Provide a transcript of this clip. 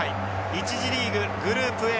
１次リーググループＡ